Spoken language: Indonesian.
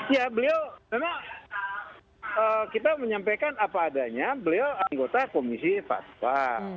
ya beliau memang kita menyampaikan apa adanya beliau anggota komisi fatwa